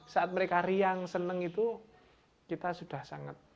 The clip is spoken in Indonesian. saat mereka riang senang itu kita sudah sangat